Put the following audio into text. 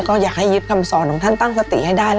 ก็อยากให้ยึดคำสอนของท่านตั้งสติให้ได้